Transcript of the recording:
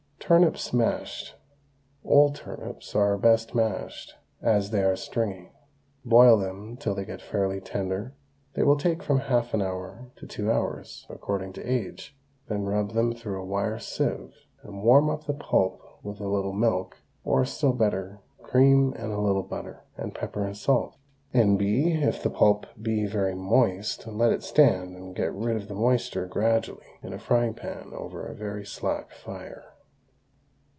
TURNIPS, MASHED. Old turnips are best mashed, as they are stringy. Boil them till they get fairly tender; they will take from half an hour to two hours, according to age; then rub them through a wire sieve and warm up the pulp with a little milk, or still better, cream and a little butter; add pepper and salt. N.B. If the pulp be very moist let it stand and get rid of the moisture gradually in a frying pan over a very slack fire.